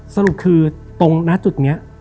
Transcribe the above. สรุปคือตรงหน้าจุดนี้